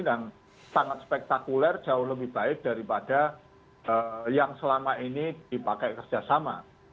dan sangat spektakuler jauh lebih baik daripada yang selama ini dipakai kerjasama